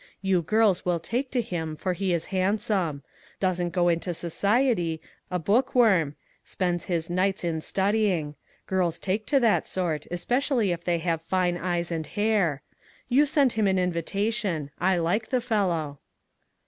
You girls will take to him, for he is handsome. Doesn't go into society ; a book worm ; spends his nights in studying. Girls take to that sort, especially if they have fine eyes and hair. You send him an invitation. I like the fellow."